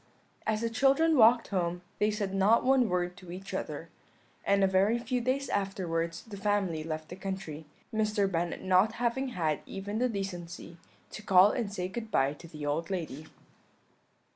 "As the children walked home they said not one word to each other; and a very few days afterwards the family left the country, Mr. Bennet not having had even the decency to call and say good bye to the old lady.